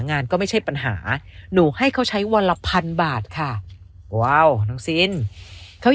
งานก็ไม่ใช่ปัญหาหนูให้เขาใช้วันละพันบาทค่ะว้าวน้องซินเขา